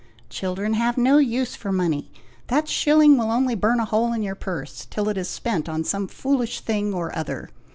"Children have no use for money! that shilling will only burn a hole in your purse, till it is spent on some foolish thing or other.